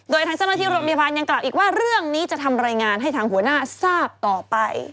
โดยทั้งสำนักธิบดมิพันธ์ยังกลับอีกว่าเรื่องนี้จะทำรายงานให้ทางหัวหน้าทราบต่อไป